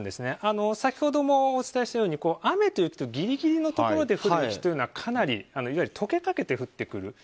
先ほどもお伝えしたように雨と雪とギリギリのところで降る雪というのはかなり、いわゆる解けかけて降ってくる。